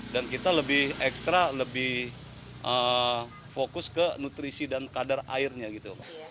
dan kita lebih ekstra lebih fokus ke nutrisi dan kadar airnya gitu